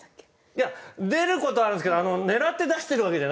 いや出る事はあるんですけど狙って出してるわけじゃないんで。